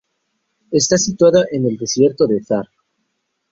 Está situada en el desierto de Thar.